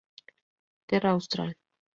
Terra Austral.